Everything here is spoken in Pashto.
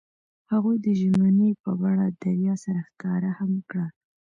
هغوی د ژمنې په بڼه دریا سره ښکاره هم کړه.